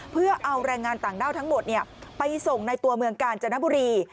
เพื่อเอาแรงงานต่างด้าวทั้งหมดไปส่งในตัวเมืองกาญจนบุรี